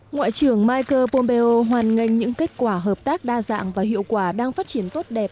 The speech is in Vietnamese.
ngoại trưởng michael pompeo hoàn ngành những kết quả hợp tác đa dạng và hiệu quả đang phát triển tốt đẹp